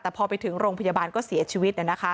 แต่พอไปถึงโรงพยาบาลก็เสียชีวิต